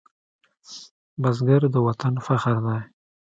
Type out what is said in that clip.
بزګر د وطن فخر دی